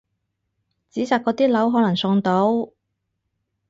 紙紮嗰啲樓可能送到！